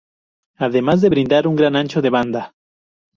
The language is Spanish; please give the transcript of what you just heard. Además de brindar un gran ancho de banda.